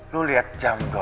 lu liat jam dong